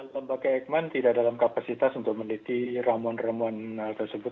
lembaga eijkman tidak dalam kapasitas untuk meneliti ramuan ramuan hal tersebut